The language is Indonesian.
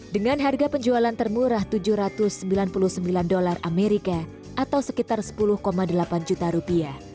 dengan harga penjualan termurah tujuh ratus sembilan puluh sembilan dolar amerika atau sekitar sepuluh delapan juta rupiah